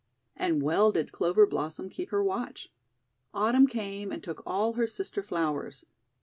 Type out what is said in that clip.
And well did Clover Blossom keep her watch. Autumn came and took all her sister flowers.